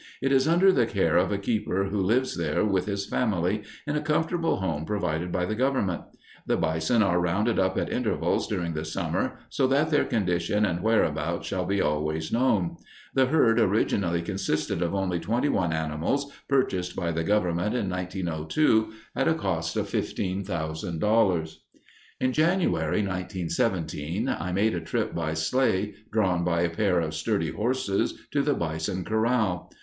It is under the care of a keeper who lives here with his family, in a comfortable home provided by the Government. The bison are rounded up at intervals during the summer so that their condition and whereabouts shall be always known. The herd originally consisted of only twenty one animals, purchased by the Government in 1902 at a cost of $15,000. In January, 1917, I made a trip by sleigh, drawn by a pair of sturdy horses, to the bison corral.